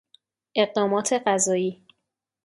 اقدامات قضایی